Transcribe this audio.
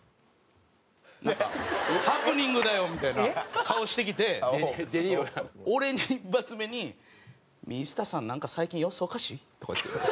なんかハプニングだよみたいな顔してきて俺に一発目に「水田さんなんか最近様子おかしい」とか言って。